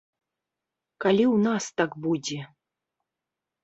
Калі ў нас так будзе?